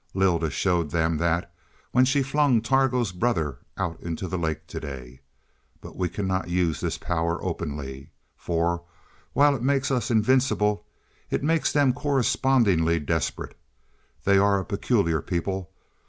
Lylda showed them that when she flung Targo's brother out into the lake to day. But we cannot use this power openly. For, while it makes us invincible, it makes them correspondingly desperate. They are a peculiar people.